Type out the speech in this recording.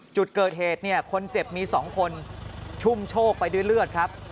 จุดเกิดเหตุเนี่ยคนเจ็บมี๒คนชุ่มโชคไปด้วยเลือดครับ